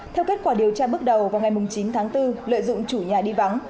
theo kết quả điều tra bước đầu vào ngày chín tháng bốn lợi dụng chủ nhà đi vắng